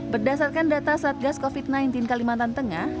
berdasarkan data satgas covid sembilan belas kalimantan tengah